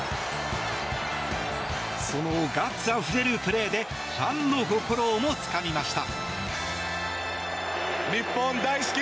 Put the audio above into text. そのガッツあふれるプレーでファンの心をも、つかみました。